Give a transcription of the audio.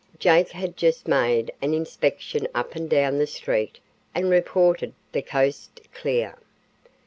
Jake had just made an inspection up and down the street and reported the coast clear.